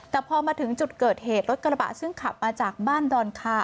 แต่พอมาถึงจุดเกิดเหตุรถกระบะซึ่งขับมาจากบ้านดอนคา